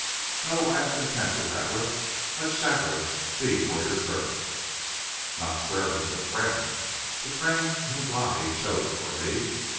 "No, I am content with Abra. Let Shakra be for your servant." "Not servant, but friend a friend whom Glani chose for me.